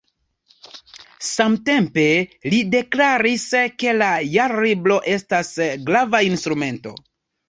Samtempe li deklaris, ke la Jarlibro estas grava instrumento.